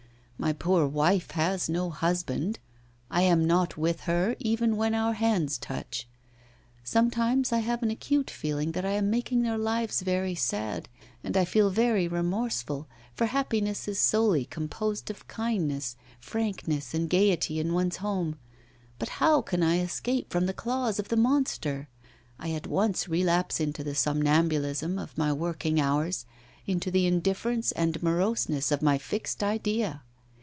My poor wife has no husband; I am not with her even when our hands touch. Sometimes I have an acute feeling that I am making their lives very sad, and I feel very remorseful, for happiness is solely composed of kindness, frankness and gaiety in one's home; but how can I escape from the claws of the monster? I at once relapse into the somnambulism of my working hours, into the indifference and moroseness of my fixed idea.